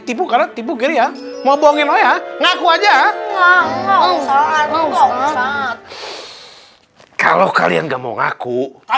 tipu karena tipu geria mau bohongin oh ya ngaku aja oh kalau kalian gak mau ngaku